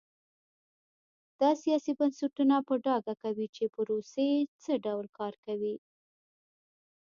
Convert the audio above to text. دا سیاسي بنسټونه په ډاګه کوي چې پروسې څه ډول کار کوي.